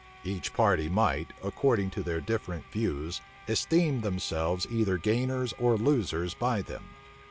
Each party might, according to their different views, esteem themselves either gainers or losers by them.